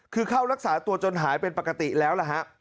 คือเข้ารักษาตัวจนหายเป็นปกติแล้วล่ะฮะ